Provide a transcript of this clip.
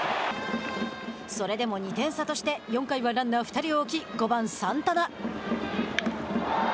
それでも２点差として４回はランナー２人を置き５番サンタナ。